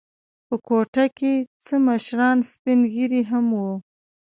په کوټه کې څه مشران سپین ږیري هم و.